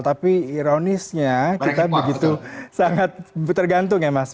tapi ironisnya kita begitu sangat tergantung ya mas